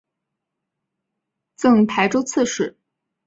赠台州刺史。